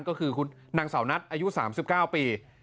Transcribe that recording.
ก็คือคุณนางสาวนัทอายุ๓๙ปี